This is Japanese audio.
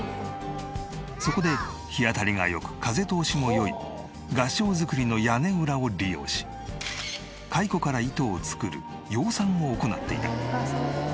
そこで日当たりが良く風通しも良い合掌造りの屋根裏を利用し蚕から糸を作る養蚕を行っていた。